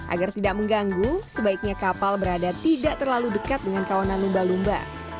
agar tidak mengganggu sebaiknya kapal berada tidak terlalu dekat dengan kawanan lumba lumba